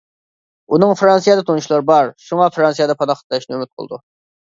ئۇنىڭ فىرانسىيەدە تونۇشلىرى بار، شۇڭا فىرانسىيەدە پاناھلىق تىلەشنى ئۈمىد قىلىدۇ.